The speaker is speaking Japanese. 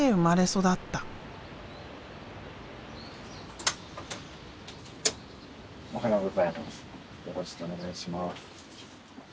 よろしくお願いします。